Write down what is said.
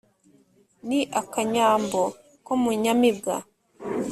ni akanyambo ko mu nyamibwa